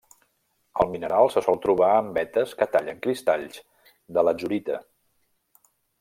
El mineral se sol trobar en vetes que tallen cristalls de latzurita.